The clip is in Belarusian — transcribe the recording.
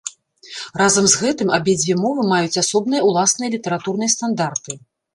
Разам з гэтым абедзве мовы маюць асобныя ўласныя літаратурныя стандарты.